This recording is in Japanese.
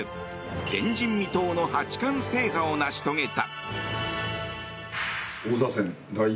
前人未到の八冠制覇を成し遂げた。